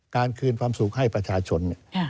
คืนความสุขให้ประชาชน